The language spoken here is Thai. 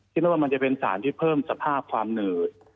คิดว่ามันจะเป็นสารที่เพิ่มสภาพความหนืด